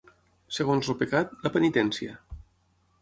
Segons el pecat, la penitència.